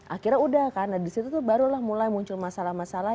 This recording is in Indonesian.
akhirnya udah karena disitu tuh barulah mulai muncul masalah masalah